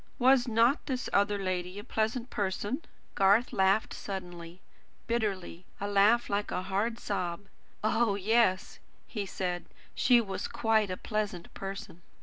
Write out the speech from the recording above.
Was not this other lady a pleasant person?" Garth laughed suddenly, bitterly; a laugh like a hard, sob. "Oh, yes," he said, "she was quite a pleasant person."